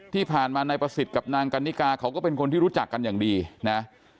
ที่ผ่านมานายประสิทธิ์กับนางกันนิกาเขาก็เป็นคนที่รู้จักกันอย่างดีนะ